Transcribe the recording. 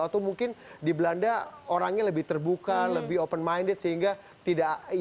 atau mungkin di belanda orangnya lebih terbuka lebih open minded sehingga tidak